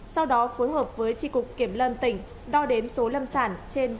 sau đó phối hợp với tri cục kiểm lâm tỉnh đo đến số lâm sản trên